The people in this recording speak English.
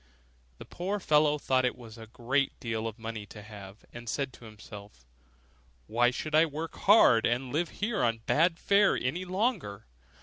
The poor fellow thought it was a great deal of money to have, and said to himself, 'Why should I work hard, and live here on bad fare any longer?